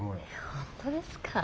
本当ですか？